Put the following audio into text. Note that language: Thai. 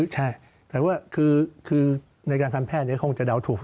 ใช่แต่ว่าคือในการทำแพทย์คงจะเดาถูก